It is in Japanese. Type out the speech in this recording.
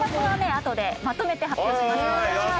あとでまとめて発表しますので。